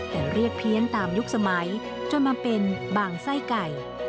แต่เรียกเพี้ยนตามยุคสมัยจนมาเป็นบางไส้ไก่